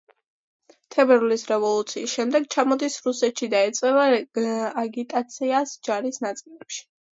თებერვლის რევოლუციის შემდეგ ჩამოდის რუსეთში და ეწევა აგიტაციას ჯარის ნაწილებში.